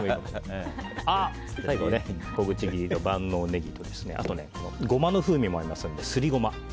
最後、小口切りの万能ネギとゴマの風味もありますのですりゴマ。